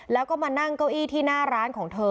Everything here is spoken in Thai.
แล้วก็มานั่งเก้าอี้ที่หน้าร้านของเธอ